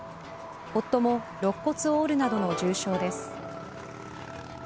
夫も肋骨を折るなどの重傷です。